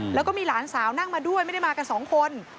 แล้วก็มีหลานสาวนั่งมาด้วยไม่ได้มากันสองคน